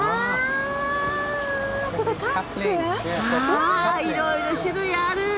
あいろいろ種類ある！